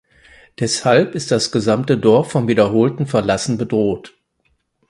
Deshalb ist das gesamte Dorf vom wiederholten Verlassen bedroht.